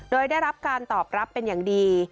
โดยได้รับการตอบรับเป็นอย่างดี